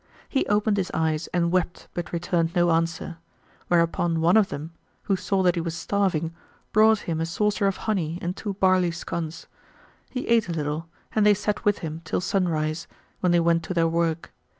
He opened his eyes and wept but returned no answer; whereupon one of them, who saw that he was starving, brought him a saucer of honey and two barley scones. He ate a little and they sat with him till sun rise, when they went to their work.